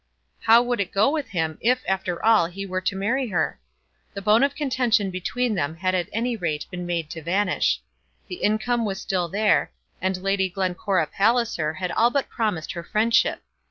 How would it go with him, if after all, he were to marry her? The bone of contention between them had at any rate been made to vanish. The income was still there, and Lady Glencora Palliser had all but promised her friendship.